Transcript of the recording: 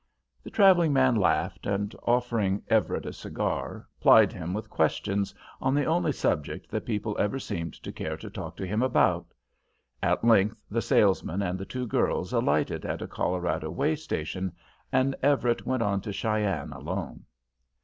The travelling man laughed and offering Everett a cigar plied him with questions on the only subject that people ever seemed to care to talk to him about. At length the salesman and the two girls alighted at a Colorado way station, and Everett went on to Cheyenne alone.